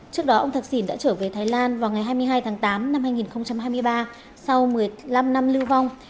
trước đó ông thạc sĩ đã trở về thái lan vào ngày hai mươi hai tháng tám năm hai nghìn hai mươi ba sau một mươi năm năm lưu vong